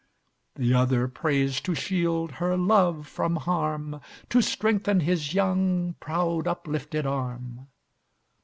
The other prays to shield her love from harm, To strengthen his young, proud uplifted arm.